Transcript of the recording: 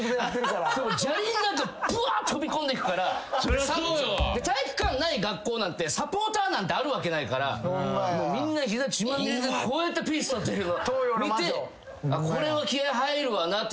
砂利の中ぶわ飛び込んでいくから体育館ない学校なんてサポーターなんてあるわけないからみんな膝血まみれでこうやってピース撮ってんの見てこれは気合入るわなって